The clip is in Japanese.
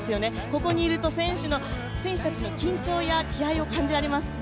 ここにいると選手たちの緊張や気合いを感じられます。